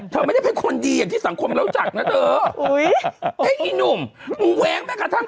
เธอไม่ได้เป็นคนดีอย่างที่สังคมเล่าจักรนะเธอ